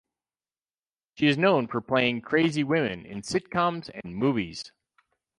She is known for playing crazy women in sitcoms and movies.